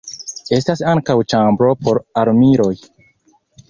Estas ankaŭ ĉambro por armiloj.